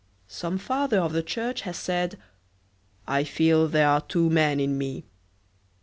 Some Father of the Church has said: "I feel there are two men in me."